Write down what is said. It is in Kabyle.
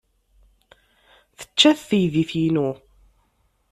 Tečča-t teydit-inu.